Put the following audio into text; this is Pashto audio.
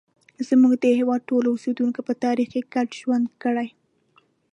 زموږ د هېواد ټولو اوسیدونکو په تاریخ کې ګډ ژوند کړی.